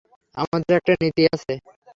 আমাদের একটা নীতি আছে।